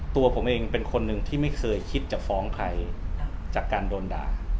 ตัวผมเองเป็นคนหนึ่งที่ไม่เคยคิดจะฟ้องใครจากการโดนด่า